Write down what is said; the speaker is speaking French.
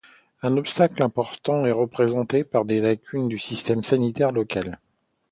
Un obstacle important est représenté par les lacunes du système sanitaire local.